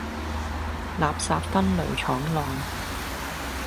垃圾分類廠內